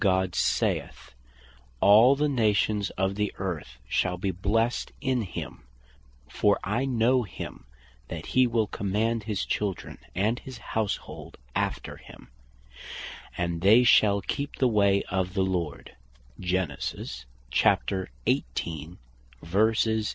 God saith, "All the Nations of the Earth shall be blessed in him, For I know him that he will command his children and his houshold after him, and they shall keep the way of the Lord."